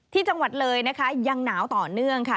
ที่จังหวัดเลยนะคะยังหนาวต่อเนื่องค่ะ